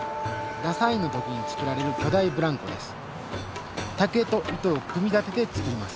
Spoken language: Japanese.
ダサインの時に作られる巨大ブランコです。